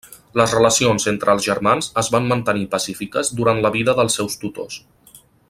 Les relacions entre els germans es van mantenir pacífiques durant la vida dels seus tutors.